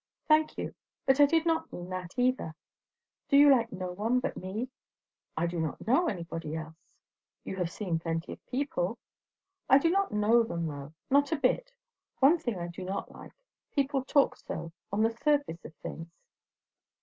"Thank you! but I did not mean that either. Do you like no one but me?" "I do not know anybody else." "You have seen plenty of people." "I do not know them, though. Not a bit. One thing I do not like. People talk so on the surface of things."